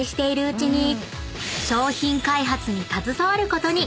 ［商品開発に携わることに］